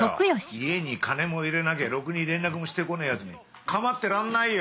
家に金も入れなきゃろくに連絡もしてこねえヤツに構ってらんないよ。